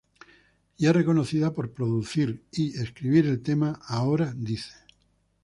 Y es reconocido por producir y escribir el tema ""Ahora dice"".